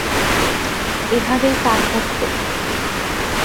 এভাবেই তা ঘটবে।